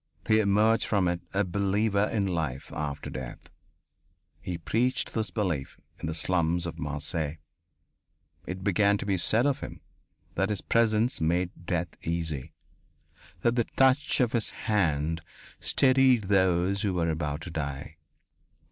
He emerged from it a believer in life after death. He preached this belief in the slums of Marseilles. It began to be said of him that his presence made death easy, that the touch of his hand steadied those who were about to die.